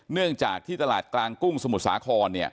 เนื่องจากที่ตลาดกลางกุ้งสมุทรสาคร